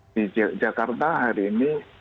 di jakarta hari ini